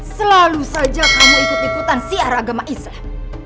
selalu saja kamu ikut ikutan siar agama islam